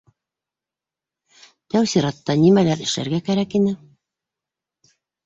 Тәү сиратта нимәләр эшләргә кәрәк ине?